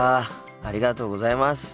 ありがとうございます。